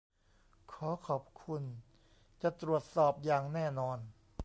ขอขอบคุณ. จะตรวจสอบอย่างแน่นอน